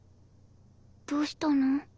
どうしたの？